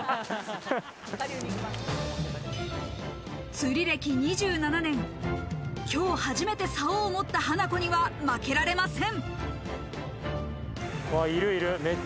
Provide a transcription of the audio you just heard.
釣り歴２７年、今日、初めて竿を持ったハナコには負けられません。